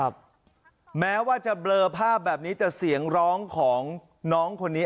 แม้ว่าจะเบลอภาพแบบนี้แต่เสียงร้องของน้องคนนี้